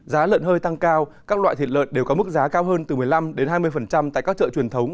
giá lợn hơi tăng cao các loại thịt lợn đều có mức giá cao hơn từ một mươi năm hai mươi tại các chợ truyền thống